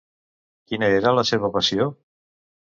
Quina era la seva passió?